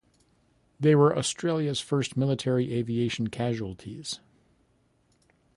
They were Australia's first military aviation casualties.